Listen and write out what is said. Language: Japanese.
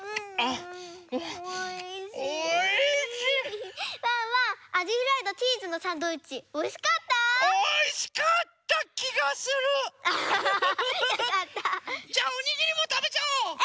ハハハハハ。じゃあおにぎりもたべちゃおう！